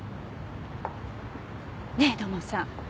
ねえ土門さん。